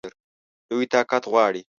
لوی طاقت غواړي.